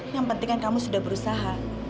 yang pentingkan kamu sudah berusaha